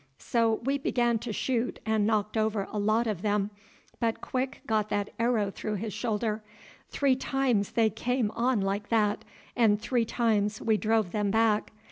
"So we began to shoot and knocked over a lot of them, but Quick got that arrow through his shoulder. Three times they came on like that, and three times we drove them back.